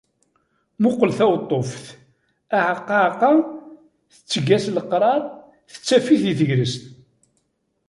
Muqqel ɣer tweṭṭuft aεeqqa aεeqqa, tetteg leqrar, tettaf-it di tegrest.